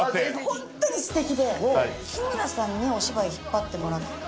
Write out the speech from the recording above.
本当にすてきで、日村さんにお芝居引っ張ってもらった。